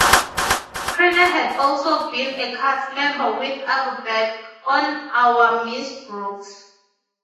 Crenna had also been a cast member with Averback on "Our Miss Brooks".